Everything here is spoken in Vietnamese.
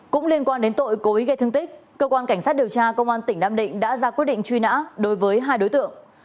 cũng liên quan đến tội cố ý gây thương tích cơ quan cảnh sát điều tra công an tỉnh nam định đã ra quyết định truy nã đối với hai đối tượng